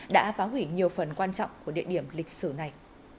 đã phá hủy nhiều phần quan trọng của địa điểm lịch sử này